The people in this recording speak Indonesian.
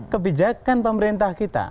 kebijakan pemerintah kita